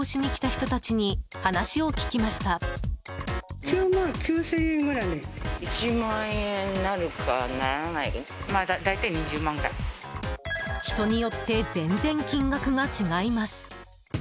人によって全然金額が違います。